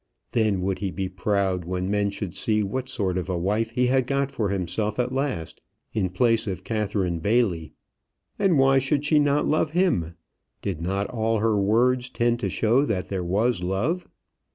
Then would he be proud when men should see what sort of a wife he had got for himself at last in place of Catherine Bailey. And why should she not love him? Did not all her words tend to show that there was love?